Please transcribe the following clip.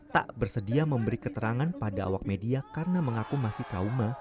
tak bersedia memberi keterangan pada awak media karena mengaku masih trauma